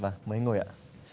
vâng mời anh ngồi ạ